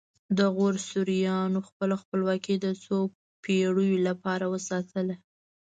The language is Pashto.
د غور سوریانو خپله خپلواکي د څو پیړیو لپاره وساتله